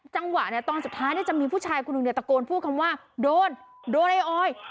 จังหวะเนี่ยตอนสุดท้ายจะมีผู้ชายคนหนึ่งเนี่ยตะโกนพูดคำว่าโดนโดนไอ้ออย